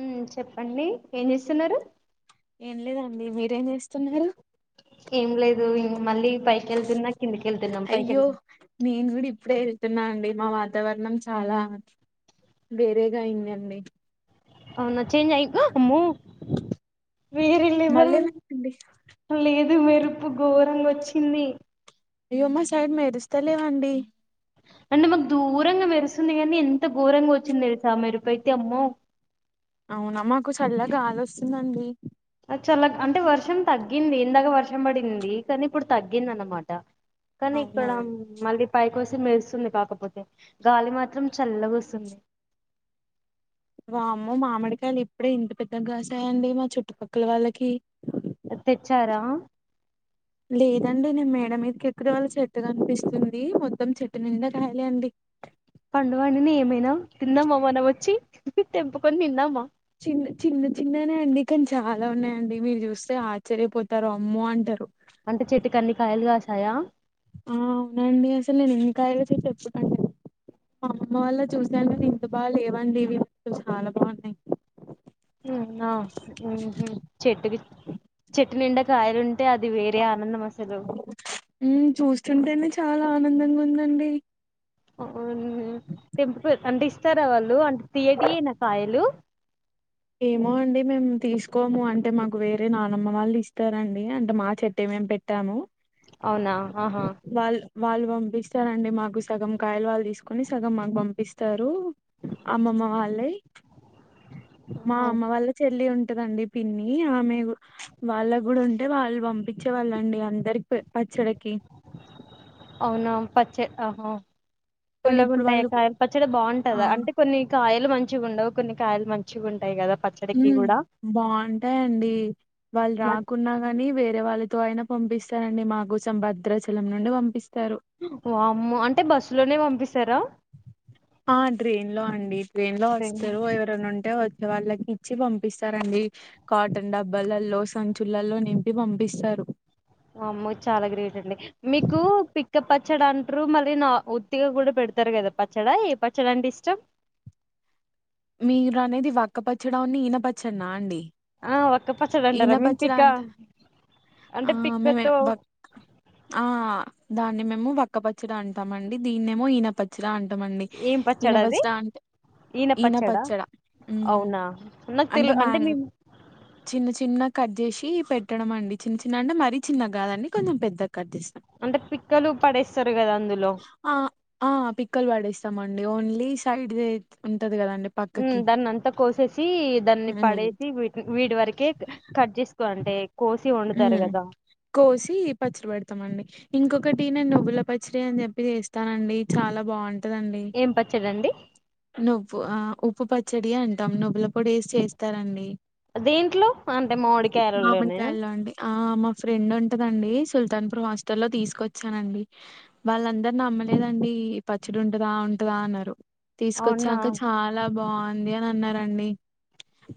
ఉమ్ చెప్పండి ఏం చేస్తున్నారు. ఏం లేదండి మీరేం చేస్తున్నారు. ఏం లేదు మళ్ళీ పైకి వెళ్తున్నా కిందికి వెళ్తున్నాం పైకి అయ్యో వెళ్తాం నేను కూడా ఇప్పుడే వెళ్తున్నా అండి మా వాతావరణం చాలా వేరేగా అయిందండి. అవున చేంజ్ గా అ అమో మళ్ళ ఏమైందండీ. లేదు మెరుపు ఘోరంగ వచ్చింది. అయ్యో మా సైడ్ మెరుస్తాలేవండి. అంటే మాకు దూరంగా మెరుస్తుంది కానీ ఎంత ఘోరంగా వచ్చింది తెలుసా మెరుపైతె అమ్మో అవునా మాకు సల్లాగలి వస్తుందండి చల్ల అంటే వర్షం తగ్గింది ఇందాక వర్షం పడింది కానీ ఇప్పుడు తగ్గింది అన్నమాట. కానీ అవునా ఇక్కడ మళ్ళీ పయ.. కోసి మెరుస్తుంది కాకపోతే గాలి మాత్రం చల్లగా వస్తుంది. వామ్మో మామిడికాయలు ఇప్పుడే ఇంత పెద్ద కాసాయండి మా చుట్టుపక్కల వాళ్ళకి తెచ్చారా లేదండి నేను మేడ మీదకి ఎక్కుడ వాళ్ళ చెట్టు కనిపిస్తుంది. మొత్తం చెట్టు నిండా కాయలే అండి. పండువాండిని ఏమైనా తిందమా మనం వచ్చి తెంపుకొని తిన్నామా!? చిన్న చిన్న చిన్ననే అండి కానీ చాలా ఉన్నాయండి మీరు చూస్తే ఆశ్చర్యపోతారు అమ్మో అంటరు. అంటే చెట్టుకి అన్ని కాయలు కాసాయా!? ఆ అవునండి అసలు నేను ఎన్ని కాయలో చెప్పనండి మా అమ్మ వాళ్ళ చూసి ది ఇంత బాగా లేవండి ఇవి చాలా బావున్నాయి. ఆ చెట్టుకి చెట్టు నిండా కాయలుంటే అది వేరే ఆనందం అసలు హ్మ్ చూస్తుంటేనే చాలా ఆనందంగా ఉందండి. టెంపుల్ అంటే ఇస్ ఇస్తారా వాళ్ళు అంత తియ్యటియేనా కాయలు. ఏమో అండి మేము తీసుకోము అంటే మాకు వేరే నానమ్మ వాళ్ళు ఇస్తారండి అంటే మా చెట్టే మేము పెట్టాము అవునా ఆహా ఇస్తారండి మాకు సగం కాయలు వాళ్ళు తీసుకుని సగం మాకు పంపిస్తారు అమ్మమ్మ వాళ్ళే మా అమ్మ వాళ్ళ చెల్లి ఉం ఉంటదండి పిన్ని ఆమె వాళ్ళకి కూడా ఉంటే వాళ్ళు పంపించేవాళ్ళండి అం దరిపు పచ్చడికి అవునా పచ్చే ఆహ కానీ పుల్లగ ఇప్పుడు ఉంటాయా వాళ్ళు కాయలు పచ్చడి ఆ బాగుంటదా అంటే కొన్ని కాయలు మంచి మంచిగాఉండవు కొన్ని కాయలు మంచిగా ఉంటాయి కదా పచ్చడికి హ్మ్ కూడా బావుంటాయండి వాళ్ళు రాకున్నా గాని వేరే వాళ్ళతో అయినా పంపిస్తారండి మా కోసం భద్రాచలం నుండి పంపిస్ వామ్మో అంటే బస్సులోనే పంపిస్తారా ఆ డ్రైన్ లో అండి డ్రైన్ లో వస్తారు ఎవరైన వుం ఉంటే వాళ్ళకి ఇచ్చి పంపిస్తారండి కాటన్ డబ్బలలో సంచులలో నింపి పంపి ఇస్తారు వామ్మో చాలా గ్రేట్ అండి మీకు పిక్కప్ పచ్చడా అంటారు మళ్ళీ నా ఉత్తిగా కూడా పె పెడతారు కదా పచ్చడా ఎ పచ్చడి అంటే ఇష్టం మీరు అనేది వక్కపచ్చడా న ఈన పచ్చడనా అండి ఆ ఒక్క పచ్చడి ఈన అంటారా పచ్చడి మీపిక అంట ఆ మేమే వక్ ఆ దాన్ని మేము వక్ ఒక్క పచ్చడి అంటామండి దీన్నేమో ఈన పచ్చడ అంటామండి ఏం ఈన పచ్చడి అది పచ్చడ అంటే ఈన పచ్చడ అవునా నాకు అంటే తెలు మ్యాంగ్ మేము చిన్న చిన్నగా కట్ చేసి పెట్టడం అండి చిన్న చిన్న అంటే మరీ చిన్నగా కాదండి కొంచెం పెద్ద అంటే పిక్కలు పడేస్తారు కదా అందులో ఆ ఆ పిక్కలు పడేసి మండి ఓన్లీ సైడ్ దే దాన్ని అంతా కోసేసి దాన్ని ఉమ్ పడేసి వీ వీడి వరకే కట్ చేసుకో అంటే కోసి వండుతారు ఉమ్ కదా కోసి పచ్చడి పెడతామండి ఇంకొకటి నేను నవ్వుల పచ్చడి అని చెప్పి చేస్తానండి చాలా బాగుంట ఉంటదండి ఏం పచ్చడండి? నువ్వు ఆ ఉ ఉప్పు పచ్చడి అంటాం నువ్వులపొడి వేసి చేస్తారండి దీంట్లో అంటే మామిడికాయలలోనేనా మామిడికాయల్లో అండి ఆ మా ఫ్రెండ్ ఉంటదండి సుల్తాన్ పూర్ హాస్టల్ లో తీసుకొచ్చానండి వాళ్ళందరు నమ్మలేదండి ఈ పచ్చడి ఉంటదా ఉంటదా అన్నారు తీసుకొచ్చాక అవునా చాలా బావు అని అన్నారండి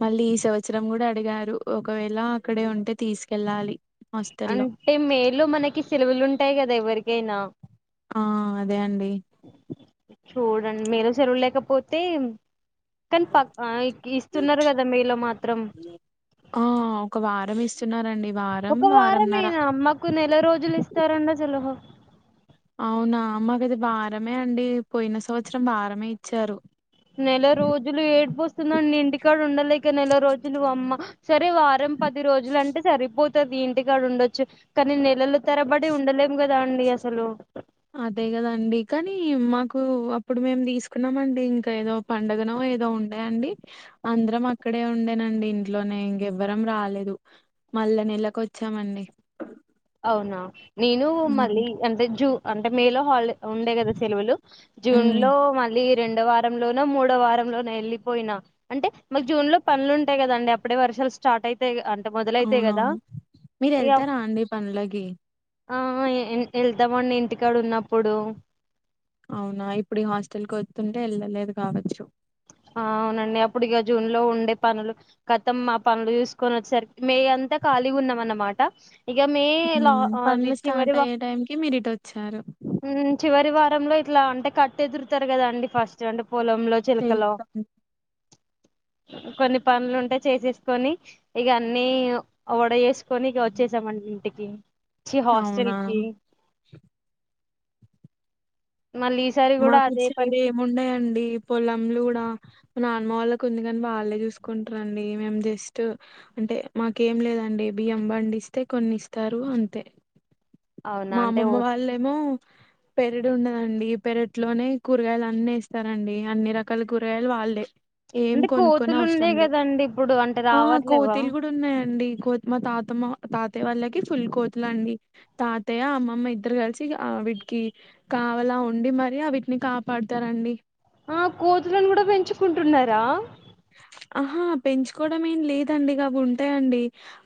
మళ్ళీ ఈ సంవత్సరం కూడా అడిగారు రు ఒకవేళ అక్కడే ఉంటే తీసుకెళ్ళాలి హాస్టల్లో అంటే మేలో మనకి శెలవులు ఉంటాయి కదా ఎవరికైనా ఆ అదే అండి చూడండి మేలో శెలవు లేకపోతే కానీ పక్క ఇస్తున్నారు కదా మేలో మాత్రం ఆ ఒక వారం ఇస్తున్నారండి వారం ఒక వారంన్నర వారమేనా మాకు నెల రోజులు ఇస్తారండి శెలవు అవునా మాకైతే వారమే అండి పోయిన సంవత్సరం వారమే ఇచ్చారు నెల ఇక నెల రోజులు అమ్మ సరే వారం పది రోజులు అంటే సరిపో ది ఇంటికాడ ఉండచ్చు కానీ నెలలు తరబడి ఉండలేం కదా అండి అసలు అదే కదండి కానీ మాకు అప్పుడు మేము తీసుకున్నామ అండి ఇంకా ఏదో పండుగను ఏదో ఉండయండి అందరం అక్కడ ఇడే ఉండేనండి ఇంట్లోనే ఇంకెవ్వరం రాలేదు మళ్ళ నెలకు వచ్చామండి అవునా నేను ఉమ్ మళ్ళీ అంటే జూ అంటే మేలో హాలిడే ఉండే కదా సెలవులు జూన్ ఉమ్, లో మళ్ళీ రెండో వారంలోనో మూడో వారంలోనో వెళ్ళలిపోయినా అంటే మాకు జూన్ లో పనులు ఉంటాయి కదండి అప్పుడే వర్ష్ స్టార్ట్ అయితయిగా అ అవునవును మీరు వెళ్తారా అండి పనులకి ఆ వెళ్తామండి ఇంటికాడ ఉన్నప్పుడు అవునా ఇప్పుడు హాస్టల్ కి వతుంటే వెళ్ళలేదు కావచ్చు అవునండి అప్పుడు ఇక జూన్ లో ఉండే పనులు కతం మా పనులు చూసుకొని వచ్చేసరికి మే అన్ త ఖాళీగా ఉన్నాం అన్నమాట ఇక మే లా ఉమ్ అది పనులు స్టార్ట్ చివరి అయ్యే ఉమ్ టైం కి మీరు ఇటు వచ్చారు చివరి ఆదివారంలో ఇట్లా అంటే కట్టు ఎదురుతారు కదా అండి ఫస్ట్ అంటే పొలంలో చిలకలో తెలుసా కొన్ని పనులు ఉంటే చేసేసుకొని ఇక అన్ని వడ చేసుకొని ఇక వచ్చేసామండి ఇంటికి చ్చి హాస్టల్ అవునా కి మళ్ళీ ఈసారి కూడా మాకు అదే చెడు పరిస్థితి ఏమున్నాయండి పొలం కూడా నాన్నమ్మ వాళ్ళకు ఉంది కాని వాళ్ళే చూసుకుంటారండి మేము జస్ట్ అంటే మాకేం లేదండి బియ్యం పండిస్తే కొన్ని ఇస్తారు అంతే అవునా మా అంటే అమ్మమ్మ వాళ్ళేమో అహ పెరడు ఉన్నదండి పెరట్లోనే కూరగాయలు అన్ని ఏస్తరండి అన్ని రకాల కూరగాయలు వాళ్ళే ఏం అంటే కొనుక్కొని కోతులు ఉండే అవసరం లేదు కదండి ఇప్పుడు అంటే ఆ రావట్లేవా కోతులు కూడా ఉన్నాయండి కో మా తాతమ్మ తాతయ్య వాళ్ళకి ఫుల్ కోతులండి తాతయ్య అమ్మమ్మ ఇద్దరు కలిసి వీటికి కావలా ఉండి మరి వీటిని కాపాడుతారండి రా అహ ఆహా పెంచుకోవడం ఏం లేదండి ఇక అవి ఉంటాయండి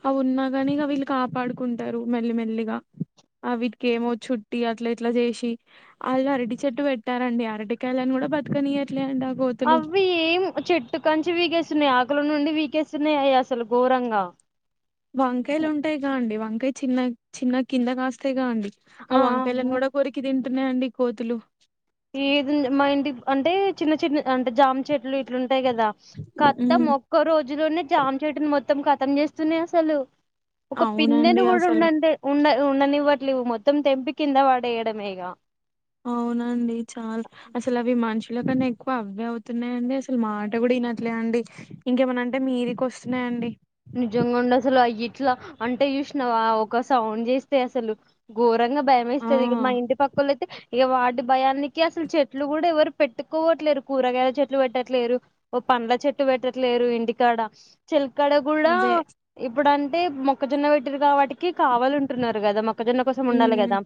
అవి ఉన్నా కాని ఇక వీళ్ళు కాపాడుకున్ టారు మల్లి మెల్లిగా ఆ వీటికి ఏమో చుట్టి అట్లా ఇట్లా చేసి వాళ్ళు అరటి చెట్టు పెట్టారండి అరటికాయలని కూడా ఆ బతకనీయ్యదు అండి అవి ఏం చెట్ ఇట్టు కంచి వీకేస్తున్నాయి ఆకుల నుండి వీకేస్తున్నాయి అసలు ఘోరంగా వంకాయలు ఉంటాయి కా అండి వంకాయ చిన్న చిన్న కింద కాస్తాయి కా అండి ఆ వంకాయలను ఆ కూడా కొరికి తింటున్నాయండి కోతులు ఏది మా ఇంటి అంటే చిన్న చిన్న అంటే జామ చెట్లు ఇట్లు తే కదా కత్తం ఉమ్, ఒక్క రోజులోనే జామ చెట్టుని మొత్తం కతం చేస్తున్నయి అసలు ఒకక అవునండి పిన్నను కూడా అసలు ఉన్నంతే ఉన్న ఉన్ననివ్వట్లేదు మొత్తం తెంపి కింద వాడేయడమేగా అవునండి చాల అసలు అవి మనిషి ఇట్ల కన్నా ఎక్కువ అవే అవుతున్నాయంండి అసలు మాట కూడా వినట్లే అండి ఇంకేమనంటే మీదికి వస్తున్నాయాండి అట్లా అంటే చూసిన ఒక సౌండ్ చేస్తయి అసలు ఘోరంగా భయ ఆ వేస్తది మా ఇంటి ప అయితే ఇక వాటి భయానికి అసలు చెట్లు కూడా ఎవరు పెట్టుకోవట్లేరు కూరగాయల చెట్లు పెట్టట్లేరు రు ఓ పండ్ల చెట్టు పెట్టట్లేరు ఇంటికాడ చెలక్కడ అదే ఇప్పుడు అంటే మొక్కజొన్న పెట్టిరు కాబటికి కావాలంటున్నారు కదా మ మొక్కజొన్న కోసం ఉండాలి హ్మ్ కదా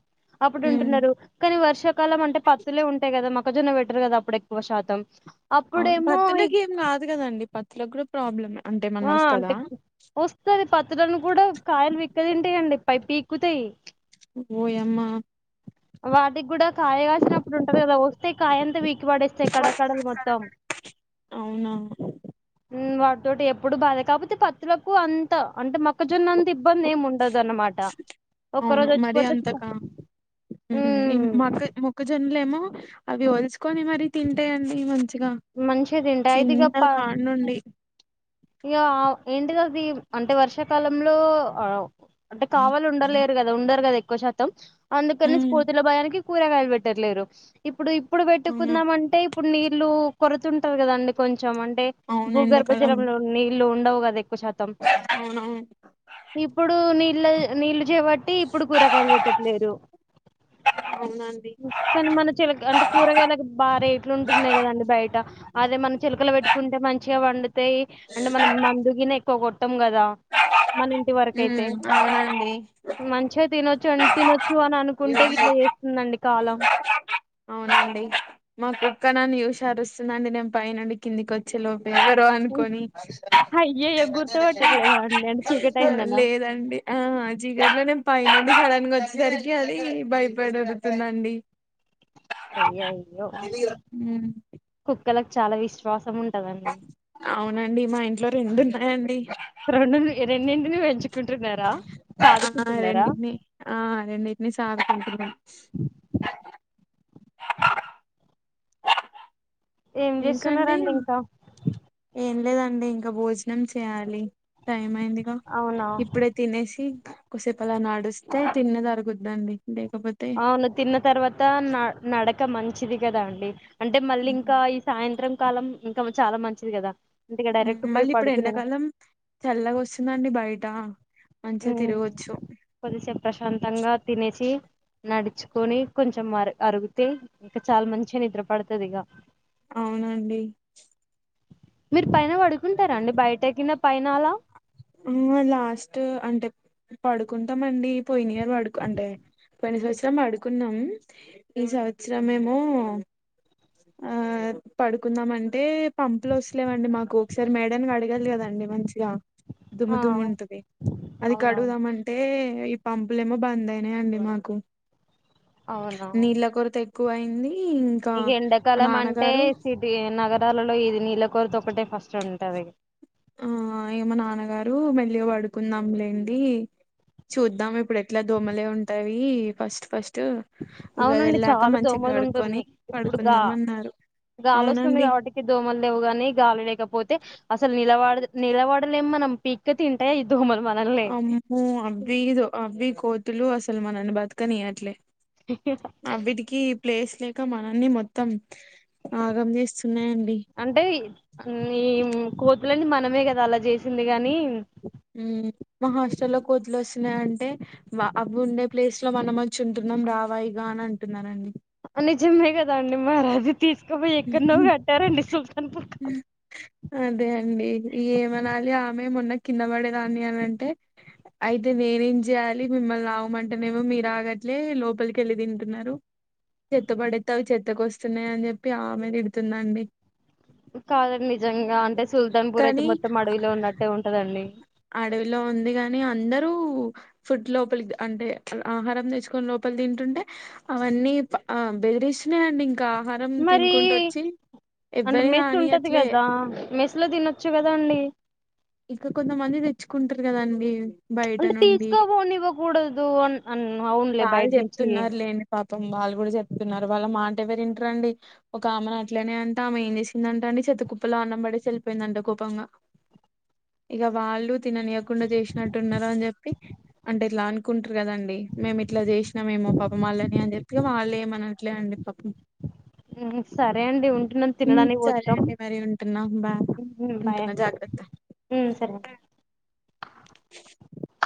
అప్పుడు హ్మ్ ఉంటున్నారు కానీ వర్షాకాలం అంటే పత్తులే ఉంటాయి కదా మ మొక్కజొన్న పెట్టరు కదా అప్పుడు ఎక్కువ శాతం అవును అప్పుడేమో ఇగ పత్తులకి ఏం కాదు కదండి పత్తులకి కూడా ప్రాబ్లమ్ అంటే ఆ ఏమన్నా అంటే వస్తాదా వస్తది పత్తులను కూడా కాయలు పీక్కతింటయండి పై పీకుతాయి ఓయమ్మా వాటికి కూడా కాయ కాసినప్పుడు ఉంటది కదా వస్తే కాయ అంతా పీకి పడేస్తాయి కడ కడలు మొత్తం అవు ఉమ్మ్ వాటితోటి ఎప్పుడు బాధే కాకపోతే పత్తులకు అంత అంటే మొక్కజొన్న అంత ఇబ్బంది ఏమి ఉండదు అన్నమాట ఒక్కరోజు వచ్చిపోతే ఉమ్మ్ ఈ ఉమ్, మొక్క మొక్కజొన్నలేమో అవి వల్చుకొని మరీ తింటాయండి మం చిగా మంచిగా తింటాయి అయితే ఇక చిన్న ప- కాడనుండి ఇగ ఏంటిదది అంటే వర్షాకాలంలో అంటే కావాలి ఉండలేరు కదా ఉండరు కదా ఎక్కువ శాతం అందుకని హ్మ్ కోతుల భయానికి కూరగాయలు పెట్టట్లేరు ఇప్పుడు ఇప్పుడు అవును పెట్టుకుందామంటే ఇ ప్పుడు నీళ్లు కొరతుంటదికదండి కొంచెం అంటే అవును ఎండాకాలం భూగర్భజలంలో నీళ్లు ఉండవు కదా ఎ క్కువ శాతం అవునవును ఇపుడు నీళ్ళె నీళ్ళు చేబట్టి ఇప్పుడు కూరగాయలు పెట్టట్లేరు అవునం కానీ మన చెలక అంటే కూరగాయలకి బాగా రేట్లు ఉంటున్నాయి కదండి బయట అదే మన చెలుకల పె పెట్టుకుంటే మంచిగా పండుతాయి అంటే మనం మందుగిన ఎక్కువ కొట్టం కదా మన ఇంటి వరకు అయితే హ్మ్ అవునండి మంచిగా తినొచ్చు తినొచ్చు అని అనుకుంటే గిట్లా చే స్తుందండి కాలం అవునాండి మాకుక్క నన్న చూసి అరుస్తుందండి నేను పై నుండి కిందికి వచ్చేలో ఎవరో అనుకొని అయ్యయ్యో గుర్తుపట్టట్లేదా అండి అంటే చీకటి ఆ అయిందనా లేదండి ఆ చీకట్లో నేను పైనుండి సడెన్ గ వచ్చేసరికి అది భయపడి ఓరుతుందండి అయ్యయ్యో కుక్కలకు చాలా విశ్వాసం ఉం టదండి అవునండి మా ఇంట్లో రెండు ఉన్నాయండి రొండున్నా రెండు పెంచుకుంటున్నారా ఆ సాదుకుంటున్నారా రెండింనాయ్ ఆ రెండిట్నేసి ఆడుకుంటున్నాయ్ ఏం ఇంకాండి చేస్తున్నారండి ఇంకా ఏం లేదండి ఇంకా భోజనం చేయాలి టైం అయిందిగా అవునా ఇప్పుడే తినేసి కొసేపలా నడుస్తే తిన్నది అరుగుద్దండి లేకపోతే అవును తిన్న తర్వాత న నడక మంచిది కదా అండి అంటే మళ్ళీ ఇంకా ఈ సాయంత్రం కాలం ఇంకా చాలా మంచిది కదా ఇంటికి ఉమ్మ్ డైరెక్ట్ పోయి మళ్ళీ ఇప్పుడు పడుకునేది ఎండాకాలం చల్లగా వస్తుందండి బయట మంచిగా ఉమ్మ్ తిరగొచ్చు కొద్దిసేపు ప్రశాంతంగా తినేసి నడుచుకొని కొంచెం అర్ అరుగితే ఇంకా చాలా మంచిగా నిద్రపడుతది ఇగ అవునండి మీరు పైన పడుకుంటారండి బయట గిన పైన అలా ఆహ లాస్ట్ అంటే పడుకుంటామండి పోయినియర్ పడు అంటే పోయిన సంవత్సరం పడుకున్నాం ఈ సంవత్సరమేమో ఆ పడుకుందామంటే పంపులు వస్తలేవండి మాకు ఒకసారి మేడని కడగాలి కదం డి మంచిగా దుమ్ము ఆ దుమ్ము ఉంటది అది అవునవును కడుగుదామంటే ఈ పంపులేమో బంద్ అయినయండి మాకు అవునా క్కువ అయింది ఇంకా నీకి మా ఎండాకాలం అంటే నాన్నగారు సిటీ నగ ట్టాలలో ఇది నీళ్ళ కొరిత ఒకటే ఫస్ట్ ఉంటది ఇగ ఆ ఏమో నాన్నగారు మెల్లిగా పడుకుందాంలేండి చూద్దాం ఇప్పుడు ఎట్లా దోమలే ఉంటాయి ఫస్ట్ ఫస్ట్ టు ఉగాది అవునండి వెళ్ళాక చాలా మంచిగా దోమలు గడుకొని పడుకుందాం అన్నారు గాలొస్తుంది అవునండి కాబట్టికి దోమలు లేవు గాని గాలి లేకపోతే అసలు నిలవడ నిలవడలేం మనం పీక్క తింటాయ్ అమ్మో అవ్వీదు అవ్వీ కోతులు అసలు మనల్ని బతకనియ్యట్లే అవిటికి ప్లేస్ లేక మనల్ని మొత్తం ఆగం చేస్తున్నాయండి అంటే అం ఈ కో తులను మనమే గదా అలా జేసింది గాని మ్ మా హష్టల్లో కోతులు వొస్ త్తన్నాయ్ అంటే అవి ఉండే ప్లేస్ లో మనం వచ్చి ఉంటున్నాం రావాఇగా అని అంటున్నారండి నిజమే గదా అండి మారది తీస్క బొయచ ఎక్కన్నొ బెట్టారండి సుల్తాన్ బుక్ అదే అండి ఏమనాలి ఆమె మొన్న కింద బడేదాన్ని అని అంటే అయితే నేనేం జేయాలి మిమ్మల్ని ఆగమంటేనేమో మీర్ ఆగట్లే లోపలికెళ్ళి దింటున్నారు చెత్త బడేత్తావ్ చెత్తకొస్తున్నాయి అని జెప్పి ఆమె దిడుతుందండి కాదండి నిజంగా అంటే సుల్తాన్ పూర్ అయితే కానీ మొత్తం అడవిలో ఉన్నట్టే ఉంటదండి అడవిలో ఉంది గాని అందరూ ఫుడ్ లోపలికి అంటే ఆహారం తెచ్చుకొని లోపలి దింటుంటే అవన్నీ ఆ బెదిరిస్తన్నాయ్ అండి ఇంకా ఆహారం మరి తినుకుంటూ వొచ్చి అంటే మెస్ ఉంటది కదా మెస్లో దినొచ్చు గదా అండి ఇక్క కొంతమంది తెచ్చుకుంటారు కదండి బయట అంటే నుండి తీసుకోపోనివ్వకూడదు అన్ అన్ అవునులే వాళ్ బయట నుంచి జెప్తున్నారు లేండి పాప పాపం వాళ్ళు కూడా చెప్తున్నారు వాళ్ళ మాట ఎవరుంటారుండి ఒక ఆమెను అట్లనే అంట ఆమె ఏం చేసిందంట అండి చెత్త కుప్పలా అన్నం బడేసి ఎల్పోయిందంట కోపంగా ఇక వాళ్ళు తిననియకుండా జేసినట్టు ఉన్నారు అని జెప్పి అంటే ఇట్లా అనుకుంటారు గదండి మేము ఇట్లా జేసినామేమొ పాపం వాళ్ళని అని జెప్పి వాళ్ళే ఏమనట్లే అండి పాపం సరే అండి ఉంటున్నాం ఉమ్ తినడానికి సరే పోతాం అండి మరి ఉంటున్నా బాయ్ ఉంటున్నా జాగ్రత్త ఉ సరే [inaudible]